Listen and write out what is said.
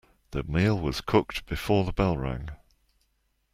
The meal was cooked before the bell rang.